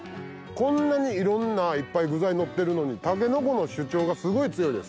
こんなにいろんないっぱい具材のってるのにタケノコの主張がすごい強いです。